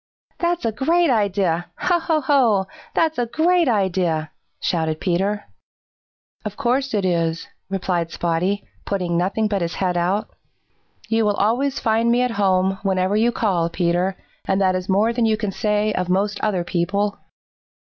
"That's a great idea! Ho, ho, ho! That's a great idea!" shouted Peter. "Of course it is," replied Spotty, putting nothing but his head out, "You will always find me at home whenever you call, Peter, and that is more than you can say of most other people."